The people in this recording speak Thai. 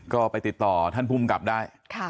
ก็ไปติดต่อท่านภูมิกับได้